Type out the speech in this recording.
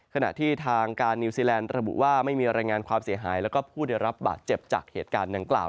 ขณะที่ทางการนิวซีแลนด์ระบุว่าไม่มีรายงานความเสียหายแล้วก็ผู้ได้รับบาดเจ็บจากเหตุการณ์ดังกล่าว